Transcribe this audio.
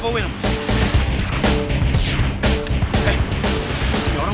kejar duh kejar